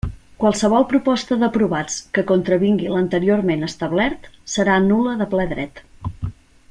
Qualsevol proposta d'aprovats que contravingui l'anteriorment establert serà nul·la de ple dret.